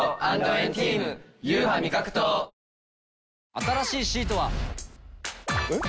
新しいシートは。えっ？